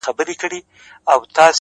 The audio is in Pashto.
زه مي پر خپلي بې وسۍ باندي تکيه کومه؛